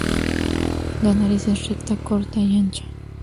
La nariz es recta, corta y ancha.